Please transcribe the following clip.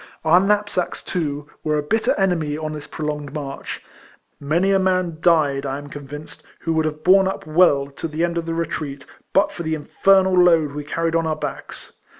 Our knapsacks, too, were a bitter enemy on this prolonged march. Many a man died, I am convinced, who would have borne up well to the end of the retreat, but for the infernal load we carried on our backs.